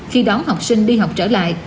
khi đón học sinh đi học trở lại